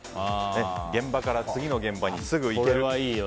現場から次の現場にすぐに行けると。